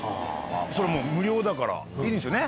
それも無料だからいいんですよね